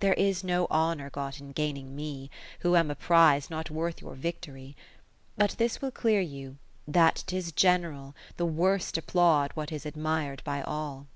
There is no honour got in gaining me. Who am a prize not worth your victory. lo But this will clear you, that 'tis general. The worst applaud what is admir'd by all.